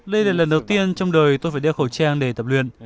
đây là lần đầu tiên trong đời tôi phải đeo khẩu trang để tập luyện